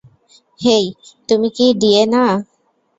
হেই, তুমি কি ডিএ না?